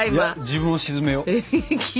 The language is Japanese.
自分を鎮めよう。